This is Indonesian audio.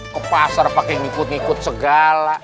ke pasar pakai ngikut ngikut segala